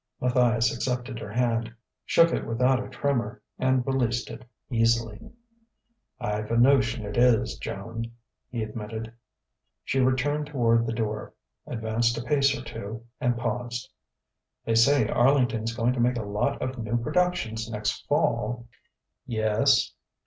Matthias accepted her hand, shook it without a tremor, and released it easily. "I've a notion it is, Joan," he admitted. She turned toward the door, advanced a pace or two, and paused. "They say Arlington's going to make a lot of new productions next Fall...." "Yes?"